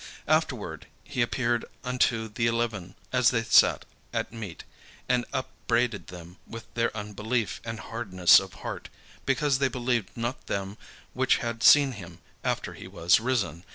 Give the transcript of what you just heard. Afterward he appeared unto the eleven as they sat at meat, and upbraided them with their unbelief and hardness of heart, because they believed not them which had seen him after he was risen.